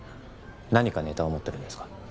何かネタを持ってるんですか？